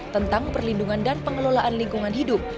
tentang perlindungan dan pengelolaan lingkungan hidup